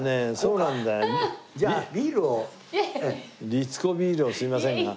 律子ビールをすいませんが。